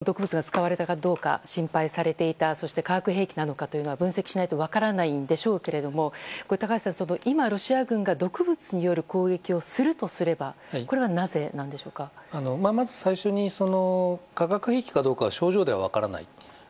実際、毒物が使われたかどうか心配されていたそして化学兵器なのかというのは分析しないと分からないんでしょうけれども高橋さん、ロシア軍が今毒物による攻撃をするとすればまず最初に化学兵器かどうかは症状では分からない。